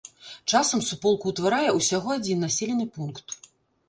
Часам суполку ўтварае ўсяго адзін населены пункт.